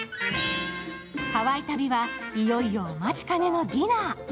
ハワイ旅は、いよいよお待ちかねのディナー。